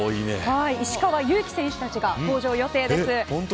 石川祐希選手たちが登場予定です。